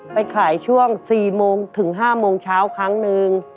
ไปขายช่วง๔โมงถึง๕โมงเช้าครั้งหนึ่ง